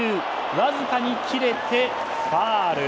わずかに切れて、ファウル。